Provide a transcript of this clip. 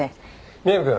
宮部くん。